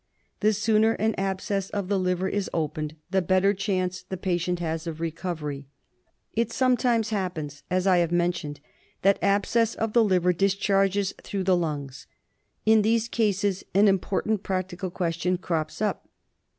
The sooner an abscess of the liver is opened the better chance the patient has of recovery. It sometimes happens, as I have mentioned, that abscess of the liver discharges through the lungs. In these cases an important practical question crops up.